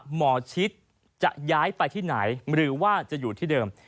หมอชิดจะย้ายไปที่ไหนหรือว่าจะอยู่ที่เดิม